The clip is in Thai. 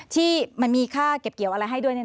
ที่มันมีค่าเก็บเกี่ยวอะไรให้ด้วย